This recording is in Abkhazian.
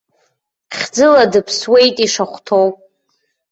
Хьӡыла дыԥсуеит ишахәҭоу!